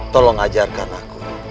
tolong ajarkan aku